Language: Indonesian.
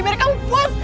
biarin kamu puas